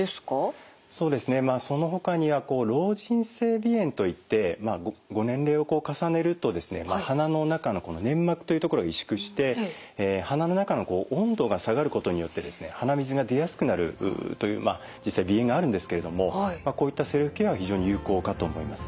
そうですねそのほかには老人性鼻炎といってまあご年齢を重ねるとですね鼻の中の粘膜という所が萎縮して鼻の中の温度が下がることによってですね鼻水が出やすくなるという実際鼻炎があるんですけれどもこういったセルフケアは非常に有効かと思います。